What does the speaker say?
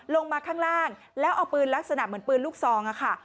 ลงมาข้างล่างแล้วเอาปืนลักษณะเหมือนปืนลูกซองค่ะ